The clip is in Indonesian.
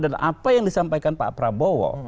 dan apa yang disampaikan pak prabowo